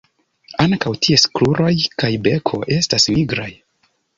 Ankaŭ ties kruroj kaj beko estas nigraj.